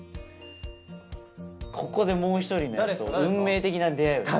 ここでもう一人のやつと運命的な出会いをした。